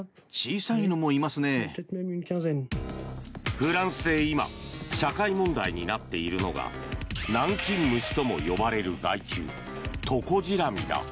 フランスで今、社会問題になっているのがナンキンムシとも呼ばれる害虫トコジラミだ。